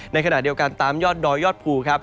ในขณะเดียวกันตามยอดดอยยอดภูครับ